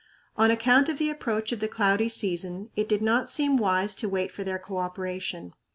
On account of the approach of the cloudy season it did not seem wise to wait for their coöperation.